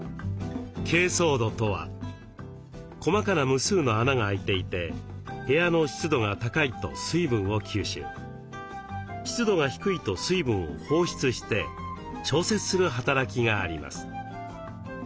「珪藻土」とは細かな無数の穴が開いていて部屋の湿度が高いと水分を吸収湿度が低いと水分を放出して調節する働きがあります。